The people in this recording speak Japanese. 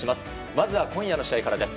まずは今夜の試合からです。